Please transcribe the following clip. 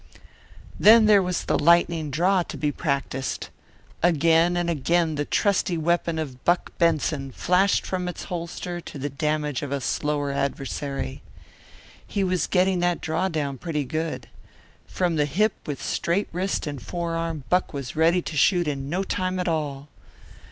Then there was the lightning draw to be practised. Again and again the trusty weapon of Buck Benson flashed from its holster to the damage of a slower adversary. He was getting that draw down pretty good. From the hip with straight wrist and forearm Buck was ready to shoot in no time at all.